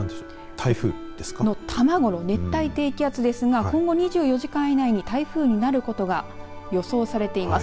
台風のたまごの熱帯低気圧ですが２４時間以内に台風になることが予想されています。